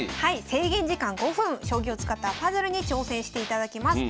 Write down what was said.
制限時間５分将棋を使ったパズルに挑戦していただきます。